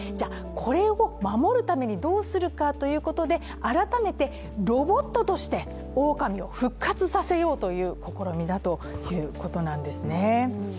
これを守るためにどうするかということで改めてロボットとしておおかみを復活しようという試みなんですね。